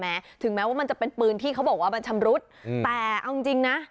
แม้ถึงแม้ว่ามันจะเป็นปืนที่เค้าบอกว่าชำรุดแต่เอาจริงนะ